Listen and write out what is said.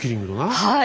はい。